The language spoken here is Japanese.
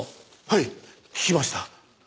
はい聞きました。